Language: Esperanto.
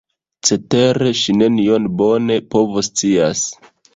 Cetere ŝi nenion bone povoscias.